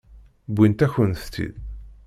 Wwint-akent-tt-id.